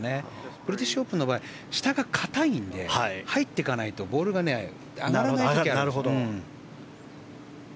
ブリティッシュオープンの場合は下が硬いので入っていかないとボールが上がらないんですよ。